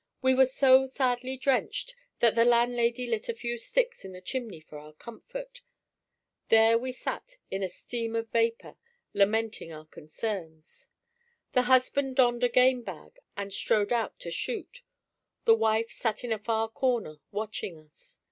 We were so sadly drenched that the landlady lit a few sticks in the chimney for our comfort; there we sat in a steam of vapour, lamenting our concerns. The husband donned a game bag and strode out to shoot; the wife sat in a far corner watching us.